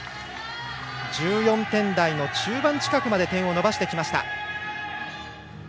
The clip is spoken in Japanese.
１４点台の中盤近くまで点を伸ばしてきました。